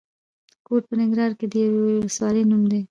کوټ په ننګرهار کې د یوې ولسوالۍ نوم دی.